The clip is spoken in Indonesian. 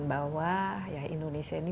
bahwa indonesia ini